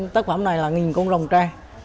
tác phẩm này là nghìn con rồng tre